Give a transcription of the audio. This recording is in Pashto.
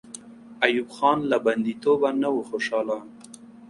ایوب خان له بندي توبه نه وو خوشحاله.